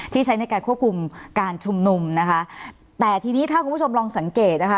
ใช้ในการควบคุมการชุมนุมนะคะแต่ทีนี้ถ้าคุณผู้ชมลองสังเกตนะคะ